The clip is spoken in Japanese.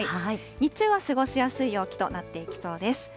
日中は過ごしやすい陽気となっていきそうです。